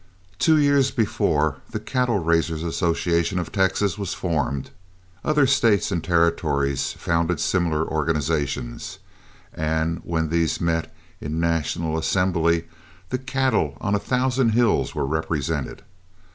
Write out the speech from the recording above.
Two years before the Cattle Raisers' Association of Texas was formed, other States and Territories founded similar organizations, and when these met in national assembly the cattle on a thousand hills were represented.